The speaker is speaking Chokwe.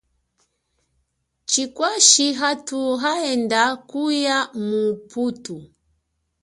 Chikwashi athu haenda kuya muputhu.